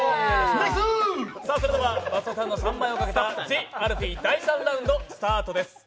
それでは益田さんの３万円をかけた、「ＴＨＥＡＬＦＥＥ」第３ラウンドです。